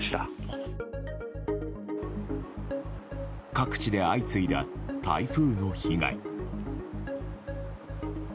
各地で相次いだ台風の被害。